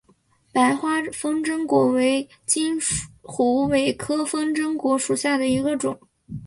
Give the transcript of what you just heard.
白花风筝果为金虎尾科风筝果属下的一个种。